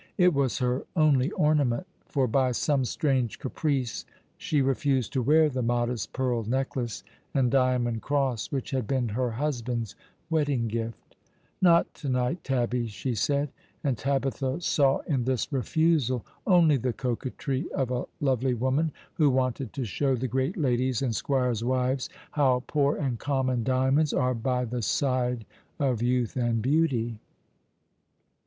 It was her only ornament, for by some strange caprice she refused to w^ear the modest pearl necklace and diamond cross which had been her husband's wedding gift. *' Dreaming, she knew it ivas a Dreamt 59 "Not to m'ghfc, Tabbie," she said; and Tabitha saw in this refusal only the coqnetry of a lovely woman, who wanted to show the great ladies and sqnire's wives how poor and common diamonds are by the side of youth and beauty.